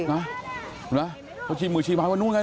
เห็นไหมเขาชี้มือชี้ไม้ว่านู่นไง